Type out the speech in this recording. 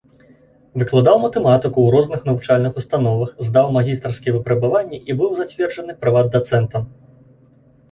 Выкладаў матэматыку ў розных навучальных установах, здаў магістарскія выпрабаванні і быў зацверджаны прыват-дацэнтам.